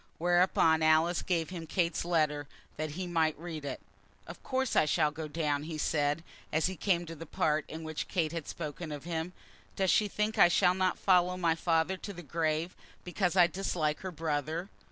Whereupon Alice gave him Kate's letter, that he might read it. "Of course I shall go down," he said, as he came to that part in which Kate had spoken of him. "Does she think I shall not follow my father to the grave, because I dislike her brother?